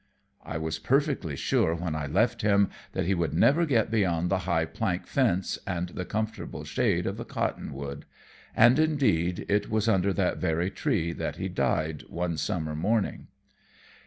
I was perfectly sure when I left him that he would never get beyond the high plank fence and the comfortable shade of the cottonwood. And, indeed, it was under that very tree that he died one summer morning.